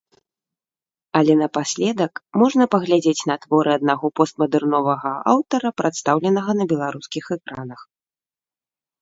Але напаследак можна паглядзець на творы аднаго постмадэрновага аўтара, прадстаўленага на беларускіх экранах.